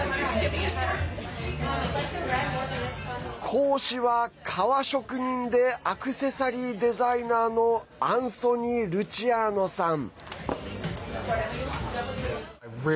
講師は、革職人でアクセサリーデザイナーのアンソニー・ルチアーノさん。